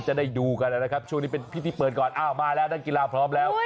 จะได้ดูกันนะครับช่วงนี้เป็นพิธีเปิดก่อนอ้าวมาแล้วนักกีฬาพร้อมแล้ว